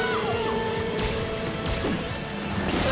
うわ！